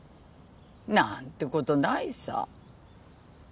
何てことないさ。